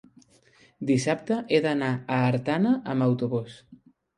Dissabte he d'anar a Artana amb autobús.